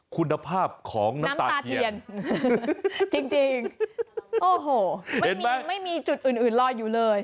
คุณภาพของน้ำตาเทียนจริงโอ้โหไม่มีจุดอื่นอื่นลอยอยู่เลย